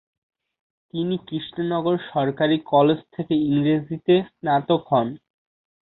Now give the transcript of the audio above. তিনি কৃষ্ণনগর সরকারি কলেজ থেকে ইংরেজিতে স্নাতক হন।